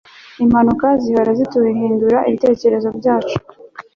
Impanuka zihora ziduhindura ibitekerezo byacu